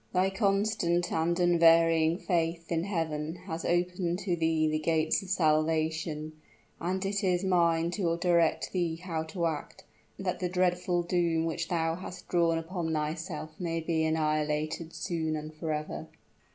Thy constant and unvarying faith in Heaven has opened to thee the gates of salvation; and it is mine to direct thee how to act, that the dreadful doom which thou hast drawn upon thyself may be annihilated soon and forever."